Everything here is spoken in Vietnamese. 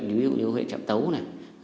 ví dụ như huyện trạm tấu này